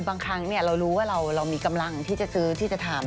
บางครั้งเรารู้ว่าเรามีกำลังที่จะซื้อที่จะทำ